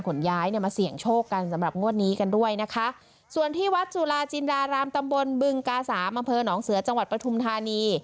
ย้ายเนี่ยมาเสี่ยงโชคกันสำหรับงวดนี้กันด้วยนะคะส่วนที่วัดจุลาจินดารามตำบลบึงกาสามอำเภอหนองเสือจังหวัดปฐุมธานี